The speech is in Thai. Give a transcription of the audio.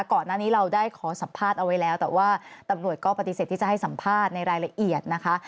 ก่อนหน้านี้เราได้ขอสัมภาษณ์เอาไว้แล้วแต่ว่าตำรวจก็ปฏิเสธที่จะให้สัมภาษณ์ในรายละเอียดนะคะ